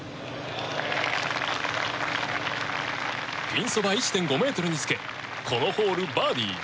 ピンそば１．５ｍにつけこのホール、バーディー。